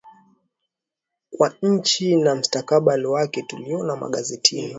kwa nchi na mustakabali wake Tuliona magazetini